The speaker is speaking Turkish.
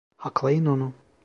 Haklayın onu!